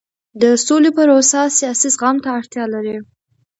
د سولې پروسه سیاسي زغم ته اړتیا لري